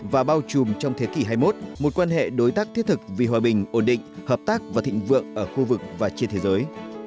và bao trùm trong thế kỷ hai mươi một mối quan hệ đối tác thiết thực vì hòa bình ổn định hợp tác và thịnh vượng ở khu vực và trên thế giới